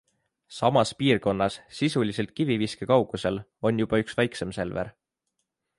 Samas piirkonnas sisuliselt kiviviske kaugusel on juba üks väiksem Selver.